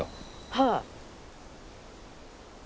はい。